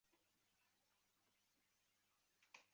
贝布尔河畔雅利尼人口变化图示